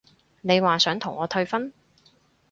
你話想同我退婚？